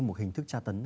một hình thức tra tấn